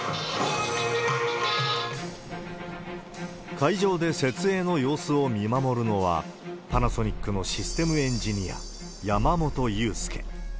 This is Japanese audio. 会場で設営の様子を見守るのは、パナソニックのシステムエンジニア、山本祐介。